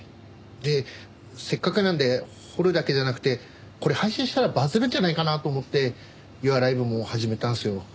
でせっかくなんで掘るだけじゃなくてこれ配信したらバズるんじゃないかなと思ってユアライブも始めたんですよ。